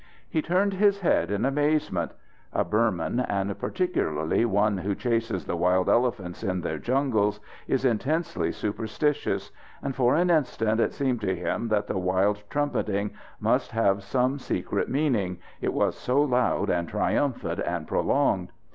He turned his head in amazement. A Burman, and particularly one who chases the wild elephants in their jungles, is intensely superstitious, and for an instant it seemed to him that the wild trumpeting must have some secret meaning, it was so loud and triumphant and prolonged.